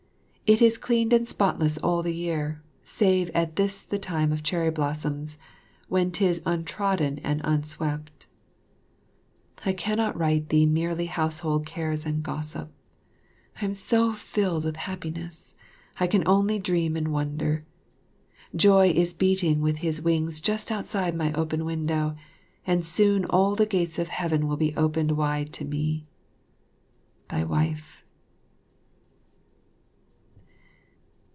It is cleaned and spotless all the year, save at this the time of cherry blossoms, when 'tis untrodden and unswept. I cannot write thee merely household cares and gossip. I am so filled with happiness, I can only dream and wonder. Joy is beating with his wings just outside my open window, and soon all the gates of Heaven will be opened wide to me. Thy Wife.